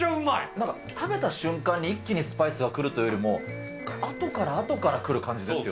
なんか食べた瞬間に一気にスパイスが来るというよりも、あとからあとから来る感じですよ